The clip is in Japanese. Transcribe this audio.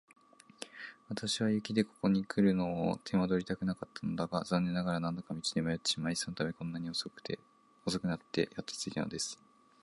私は雪でここにくるのを手間取りたくなかったのだが、残念ながら何度か道に迷ってしまい、そのためにこんなに遅くなってやっと着いたのです。